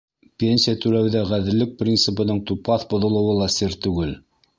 Пенсия түләүҙә ғәҙеллек принцибының тупаҫ боҙолоуы ла сер түгел.